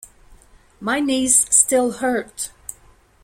My knees still hurt.